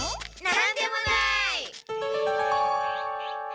なんでもない。